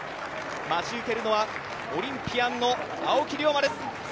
待ち受けるのはオリンピアンの青木涼真。